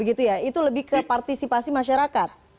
itu lebih ke partisipasi masyarakat